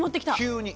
急に。